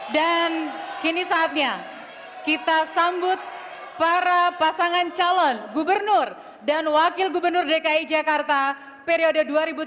dan kini saatnya kita sambut para pasangan calon gubernur dan wakil gubernur dki jakarta periode dua ribu tujuh belas dua ribu dua puluh dua